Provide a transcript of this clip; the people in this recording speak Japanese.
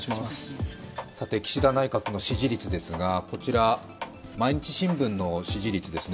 岸田内閣の支持率ですが、こちら、毎日新聞の支持率です。